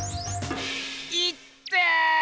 いってぇ！